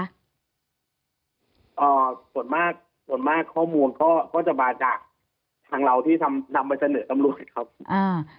อ่าส่วนมากส่วนมากข้อมูลก็ก็จะมาจากทางเราที่ทำนำมาเสนอตำรวจครับอ่า